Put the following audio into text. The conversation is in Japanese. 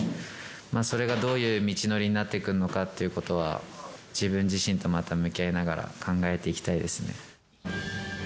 それがどういう道のりになっていくのかということは、自分自身とまた向き合いながら考えていきたいですね。